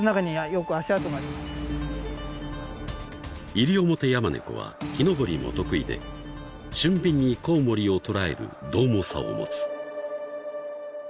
［イリオモテヤマネコは木登りも得意で俊敏にコウモリを捕らえるどう猛さを持つ］